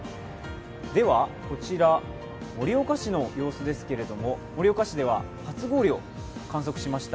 こちら、盛岡市の様子ですけれども、盛岡市では初氷を観測しました。